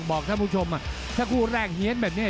ท่านผู้ชมถ้าคู่แรกเฮียนแบบนี้